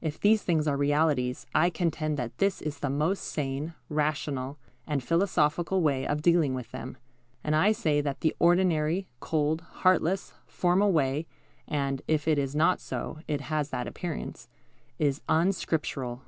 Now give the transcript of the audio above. If these things are realities, I contend that this is the most sane, rational, and philosophical way of dealing with them; and I say that the ordinary, cold, heartless, formal way (and, if it is not so, it has that appearance) is unscriptural.